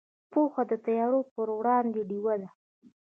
پوهه د تیارو پر وړاندې ډیوه ده.